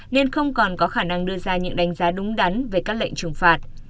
nên không còn có khả năng đưa ra những đánh giá đúng đắn về các lệnh trừng phạt